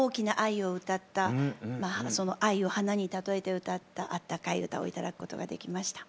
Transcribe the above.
まあその愛を花に例えて歌ったあったかい歌を頂くことができました。